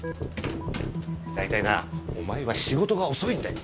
大体なあお前は仕事が遅いんだよ。